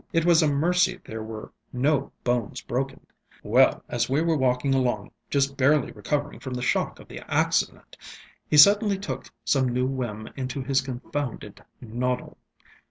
It was a mercy there were no bones broken. ŌĆ£Well, as we were walking along, just barely recovering from the shock of the accident, he suddenly took some new whim into his confounded noddle.